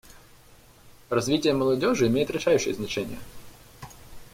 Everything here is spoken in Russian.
Развитие молодежи имеет решающее значение.